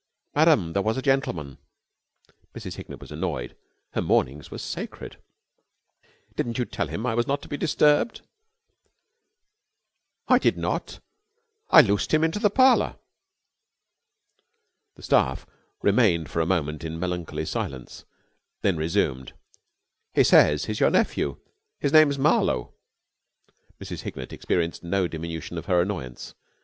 "Ma'am, there was a gentleman." Mrs. Hignett was annoyed. Her mornings were sacred. "Didn't you tell him I was not to be disturbed?" "I did not. I loosed him into the parlor." The staff remained for a moment in melancholy silence, then resumed. "He says he's your nephew. His name's Marlowe." Mrs. Hignett experienced no diminution of her annoyance.